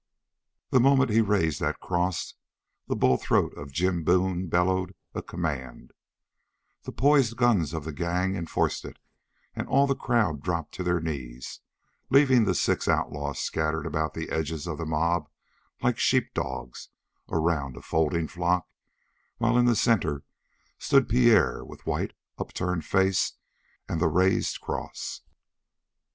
The moment he raised that cross the bull throat of Jim Boone bellowed a command, the poised guns of the gang enforced it, and all the crowd dropped to their knees, leaving the six outlaws scattered about the edges of the mob like sheep dogs around a folding flock, while in the center stood Pierre with white, upturned face and the raised cross.